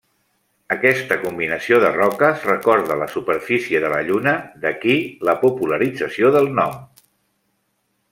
Aquesta combinació de roques, recorda la superfície de la lluna, d’aquí la popularització del nom.